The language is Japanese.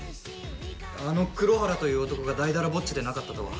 あの黒原という男がだいだらぼっちでなかったとは。